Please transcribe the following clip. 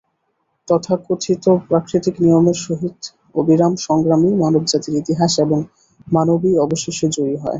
তথাকথিত প্রাকৃতিক নিয়মের সহিত অবিরাম সংগ্রামই মানবজাতির ইতিহাস এবং মানবই অবশেষে জয়ী হয়।